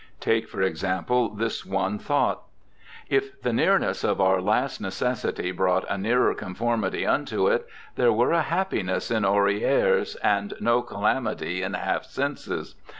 Take, for example, this one thought :* If the nearness of our last necessity brought a nearer conformity unto it, there were a happiness in hoary hairs and no calamity in half senses.